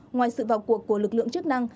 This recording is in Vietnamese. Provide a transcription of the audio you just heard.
ngoài sự vào cuộc của lực lượng